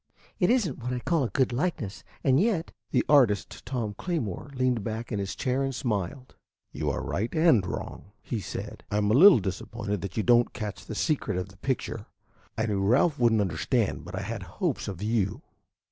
It is n't what I call a good likeness, and yet " The artist, Tom Claymore, leaned back in his chair and smiled. "You are right and wrong," he said. "I am a little disappointed that you don't catch the secret of the picture. I knew Ralph would n't understand, but I had hopes of you."